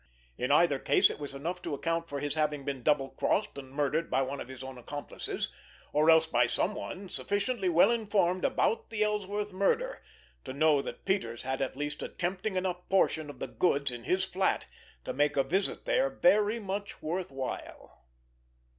In either case it was enough to account for his having been double crossed and murdered by one of his own accomplices, or else by some one sufficiently well informed about the Ellsworth murder to know that Peters had at least a tempting enough portion of the "goods" in his flat to make a visit there very much worth while.